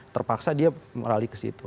terpaksa dia beralih ke situ